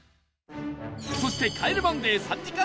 そして『帰れマンデー』３時間